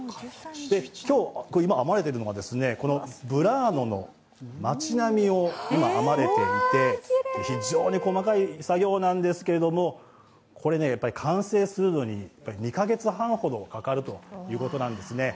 今編まれているのがブラーノの町並みを編まれていて、非常に細かい作業なんですけれども、完成するのに２か月半ほどかかるということなんですね。